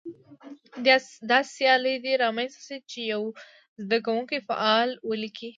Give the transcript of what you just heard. داسې سیالي دې رامنځته شي چې یو زده کوونکی فعل ولیکي.